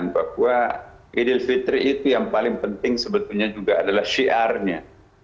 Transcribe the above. bahwa idul fitri itu yang paling penting sebetulnya juga adalah syiarnya